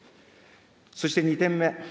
そして２点目。